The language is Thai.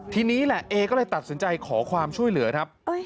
ทีนี้แหละเอก็เลยตัดสินใจขอความช่วยเหลือครับ